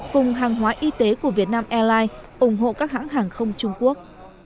cùng hàng hóa y tế của việt nam airlines ủng hộ các hãng hàng không trung quốc